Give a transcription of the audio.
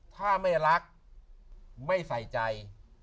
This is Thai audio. ถ้าไม่รักไม่ใส่ใจ